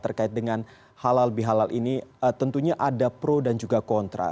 terkait dengan halal bihalal ini tentunya ada pro dan juga kontra